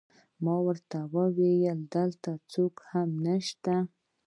ما ورته وویل چې دلته هېڅوک هم نشته